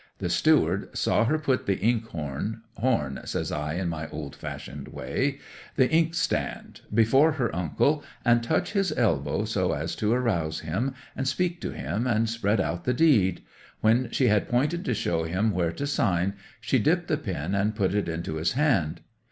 The steward saw her put the inkhorn—"horn," says I in my old fashioned way—the inkstand, before her uncle, and touch his elbow as to arouse him, and speak to him, and spread out the deed; when she had pointed to show him where to sign she dipped the pen and put it into his hand.